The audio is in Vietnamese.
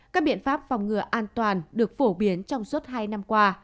các biện pháp phòng ngừa an toàn được phổ biến trong suốt hai năm qua